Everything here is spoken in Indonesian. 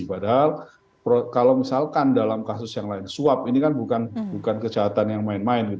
padahal kalau misalkan dalam kasus yang lain suap ini kan bukan kejahatan yang main main